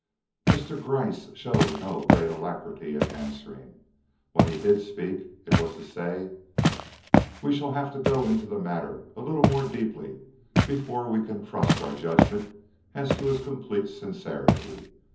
Mr. Gryce showed no great alacrity in answering. When he did speak it was to say: "We shall have to go into the matter a little more deeply before we can trust our judgment as to his complete sincerity.